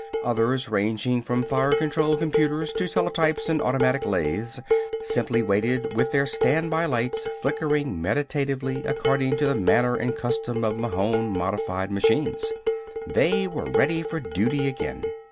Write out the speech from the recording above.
Others, ranging from fire control computers to teletypes and automatic lathes, simply waited with their standby lights flickering meditatively according to the manner and custom of Mahon modified machines. They were ready for duty again.